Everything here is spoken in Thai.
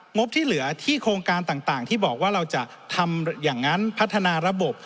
บที่เหลือที่โครงการต่างที่บอกว่าเราจะทำอย่างนั้นพัฒนาระบบ